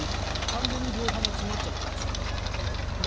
完全に両鼻が詰まっちゃったらしいです。